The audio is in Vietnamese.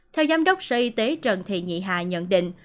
theo giám đốc sở y tế trần thị nhị hà nhận định